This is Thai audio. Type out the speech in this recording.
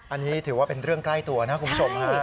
อันนี้ถือว่าเป็นเรื่องใกล้ตัวนะคุณผู้ชมฮะ